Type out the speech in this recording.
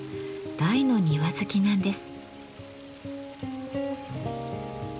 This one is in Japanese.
大の庭好きなんです。